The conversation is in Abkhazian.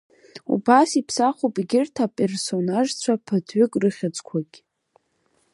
Убас иԥсахуп егьырҭ аперсонажцәа ԥыҭҩык рыхьыӡқәагьы.